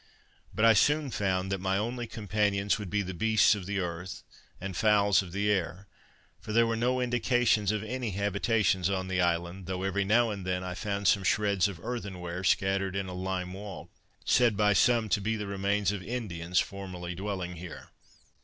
But I soon found that my only companions would be the beasts of the earth, and fowls of the air; for there were no indications of any habitations on the island, though every now and then I found some shreds of earthen ware scattered in a lime walk, said by some to be the remains of Indians formerly dwelling here.